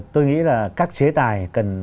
tôi nghĩ là các chế tài cần